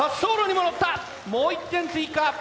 もう１点追加。